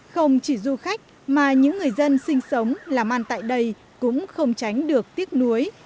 không chỉ du khách mà những người dân sinh sống làm ăn tại đây cũng không tránh được tiếc nuối